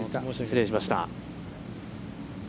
失礼しました。